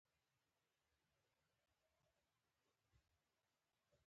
نجلۍ د رښتیا نښه ده.